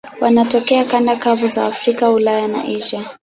Wanatokea kanda kavu za Afrika, Ulaya na Asia.